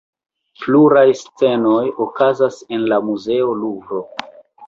Pluraj scenoj okazas en la muzeo Luvro.